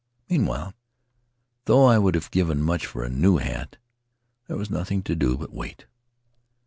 Mean while, though I would have given much for a new hat, there was nothing to do but wait.